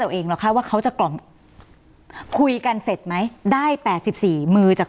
ตัวเองหรอคะว่าเขาจะกล่อมคุยกันเสร็จไหมได้แปดสิบสี่มือจาก